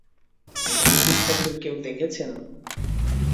কেলি সিস্টারদের কেউ দেখেছেন?